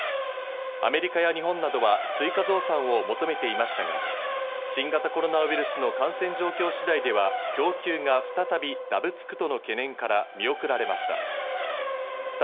アメリカや日本などは追加増産を求めていましたが、新型コロナウイルスの感染状況次第では供給が再びだぶつくとの懸念から見送られました。